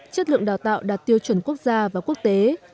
chất lượng đào tạo đạt tiêu chuẩn quốc gia và quốc tế